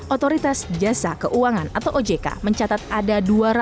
otoritas jasa keuangan atau ojk mencatat ada dua ratus dua puluh tujuh